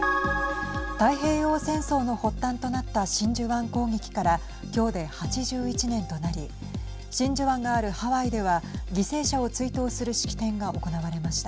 太平洋戦争の発端となった真珠湾攻撃から今日で８１年となり真珠湾があるハワイでは犠牲者を追悼する式典が行われました。